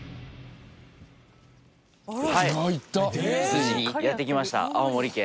ついにやって来ました青森県。